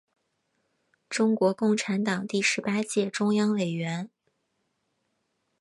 中国共产党第十八届中央委员。